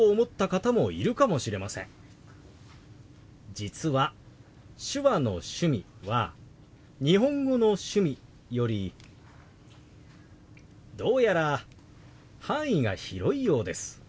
実は手話の「趣味」は日本語の「趣味」よりどうやら範囲が広いようです。